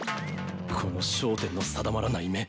この焦点の定まらない目。